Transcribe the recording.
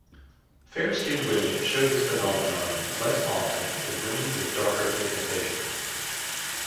Fair-skinned women show this phenomenon less often than women with darker pigmentation.